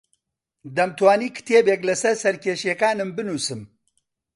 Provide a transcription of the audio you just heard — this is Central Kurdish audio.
دەمتوانی کتێبێک لەسەر سەرکێشییەکانم بنووسم.